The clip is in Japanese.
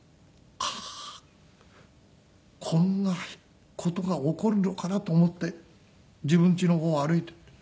ああこんな事が起こるのかなと思って自分ちの方を歩いて。